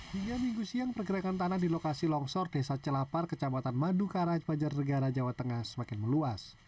hingga minggu siang pergerakan tanah di lokasi longsor desa celapar kecamatan madukara banjarnegara jawa tengah semakin meluas